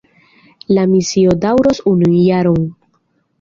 La misio daŭros unun jaron.